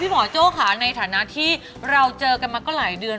หมอโจ้ค่ะในฐานะที่เราเจอกันมาก็หลายเดือน